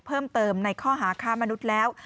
เพิ่มเติมในข้อหาค้ามนุษย์แล้ว